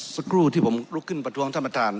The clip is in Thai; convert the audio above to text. สักครู่ที่ผมลุกขึ้นประท้วงท่านประธาน